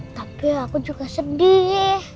tapi aku juga sedih